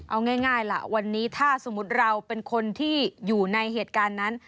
เอาง่ายล่ะวันนี้ถ้าสมมุติเราเป็นคนที่อยู่ในเหตุการณ์นั้น